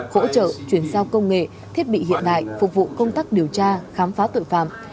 hỗ trợ chuyển giao công nghệ thiết bị hiện đại phục vụ công tác điều tra khám phá tội phạm